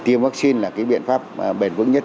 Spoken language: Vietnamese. tiêm vaccine là cái biện pháp bền vững nhất